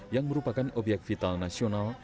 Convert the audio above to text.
yang merupakan obyek vital nasional